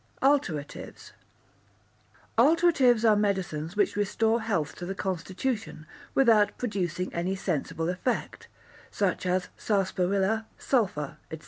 Alteratives Alteratives are medicines which restore health to the constitution, without producing any sensible effect, such as sarsaparilla, sulphur, &c.